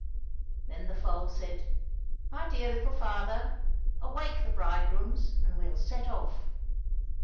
Then the foal said, " My dear little father ! awake the bridegrooms, and we'll set off."